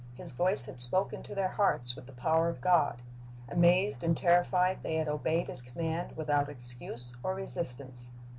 His voice had spoken to their hearts with the power of God. Amazed and terrified, they had obeyed His command without excuse or resistance.